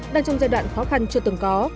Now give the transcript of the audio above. đang trong giai đoạn khó khăn chưa từng có